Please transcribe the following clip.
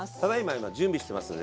今準備してますのでね